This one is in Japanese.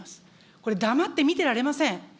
これ、黙って見てられません。